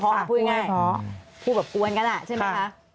พูดไม่พอพูดง่ายพูดแบบกวนกันอ่ะใช่ไหมคะ